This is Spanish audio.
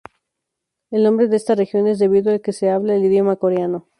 El nombre de esta región es debido a que se habla el idioma coreano.